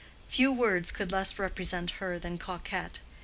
Few words could less represent her than "coquette."